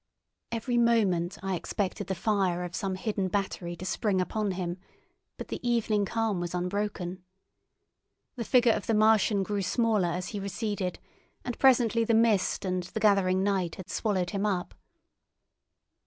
Every moment I expected the fire of some hidden battery to spring upon him; but the evening calm was unbroken. The figure of the Martian grew smaller as he receded, and presently the mist and the gathering night had swallowed him up.